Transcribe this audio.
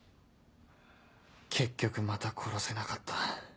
結局また殺せなかった